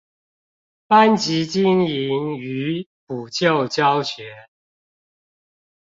班級經營與補救教學